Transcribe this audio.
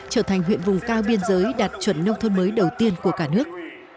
trở thành huyện vùng cao biên giới đạt chuẩn nông thôn mới đầu tiên của cả nước